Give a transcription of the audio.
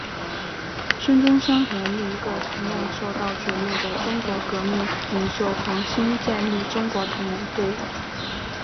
孙中山和另一个同样受到瞩目的中国革命领袖黄兴建立中国同盟会。